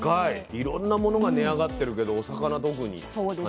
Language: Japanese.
いろんなものが値上がってるけどお魚特に感じますね。